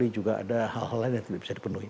juga ada hal hal lain yang tidak bisa dipenuhi